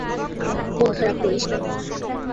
মন খারাপ করিস না।